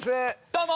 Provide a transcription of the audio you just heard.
どうも！